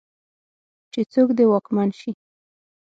چې څوک دې واکمن شي.